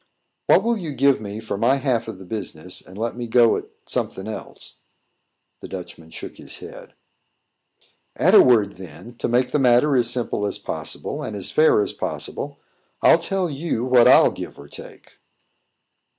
"What will you give me for my half of the business, and let me go at something else?" The Dutchman shook his head. "At a word, then, to make the matter as simple as possible, and as fair as possible, I'll tell you what I'll give or take."